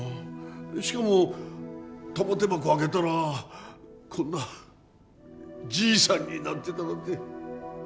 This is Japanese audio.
しかも玉手箱を開けたらこんなじいさんになってたなんて。